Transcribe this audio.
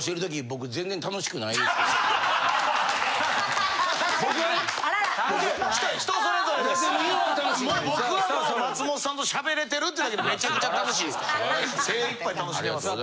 僕はもう松本さんとしゃべれてるってだけでめちゃくちゃ楽しいですから。